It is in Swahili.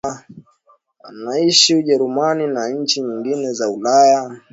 wanaishi Ujerumani na nchi nyingine za Ulaya